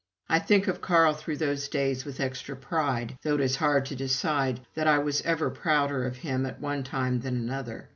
I think of Carl through those days with extra pride, though it is hard to decide that I was ever prouder of him at one time than another.